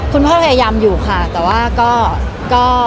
พยายามอยู่ค่ะแต่ว่าก็